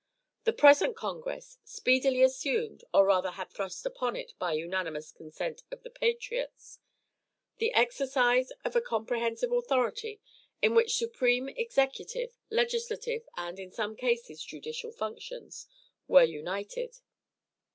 The present congress speedily assumed, or rather had thrust upon it by unanimous consent of the patriots, the exercise of a comprehensive authority in which supreme executive, legislative and, in some cases, judicial functions, were united.